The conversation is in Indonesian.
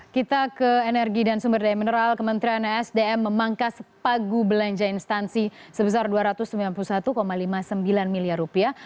kita ke energi dan sumber daya mineral kementerian sdm memangkas pagu belanja instansi sebesar dua ratus sembilan puluh satu lima puluh sembilan miliar rupiah